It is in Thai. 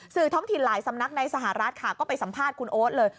สื่อท้องทินหลายสำนักในสหราชก็ไปสัมภาษณ์คุณโอ๊ตเลย